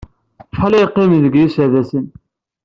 Acḥal ay yeqqim deg yiserdasen?